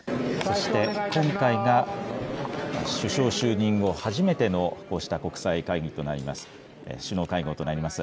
そして今回が首相就任後初めてのこうした国際会議となります。